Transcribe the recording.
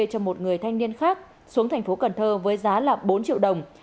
cho một người thanh niên khác xuống tp cn với giá là bốn triệu đồng